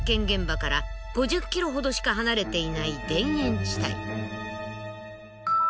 現場から５０ｋｍほどしか離れていない田園地帯。